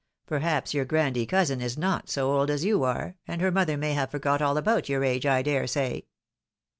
Perhaps your grandee cousin is not so old as you are — and her mother may have forgot all about your age, I dare say."